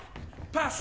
パス！